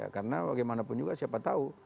karena bagaimanapun juga siapa tahu